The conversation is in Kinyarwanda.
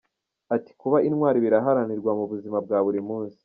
Ati ‘‘Kuba intwari biharanirwa mu buzima bwa buri munsi.